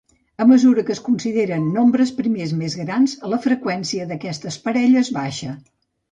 A mesura que es consideren nombres primers més grans, la freqüència d'aquestes parelles baixa.